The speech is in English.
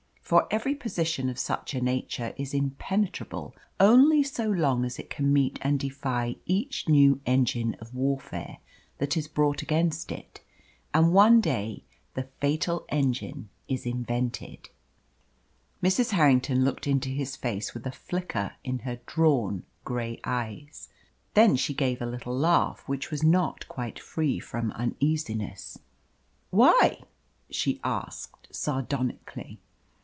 For every position of such a nature is impenetrable only so long as it can meet and defy each new engine of warfare that is brought against it. And one day the fatal engine is invented. Mrs. Harrington looked into his face with a flicker in her drawn grey eyes. Then she gave a little laugh which was not quite free from uneasiness. "Why?" she asked sardonically.